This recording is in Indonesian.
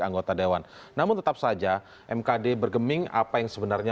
anggota dewan namun tetap saja mkd bergeming apa yang sebenarnya